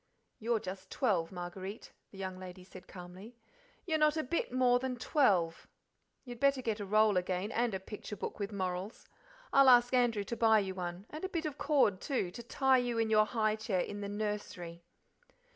"You're just twelve, Marguerite;" the young lady said calmly: "you're not a bit more than twelve. You'd better get a roll again, and a picture book with morals. I'll ask Andrew to buy you one and a bit of cord, too, to tie you in your high chair in the nursery."